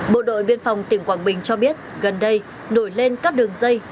bộ đội biên phòng tỉnh quảng bình cho biết gần đây nổi lên các đường dây